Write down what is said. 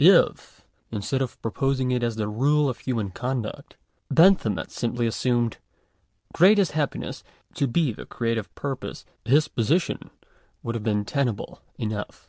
§ 1. If, instead of proposing it as the rale of human conduct* Bentham had simply assumed " greatest happiness" to he the creative purpose, his position would have heen tenable enough.